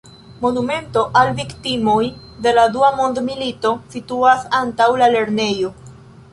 Monumento al viktimoj de la Dua Mondmilito situas antaŭ la lernejo.